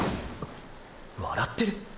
⁉笑ってる⁉